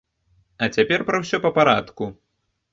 А цяпер пра ўсё па парадку.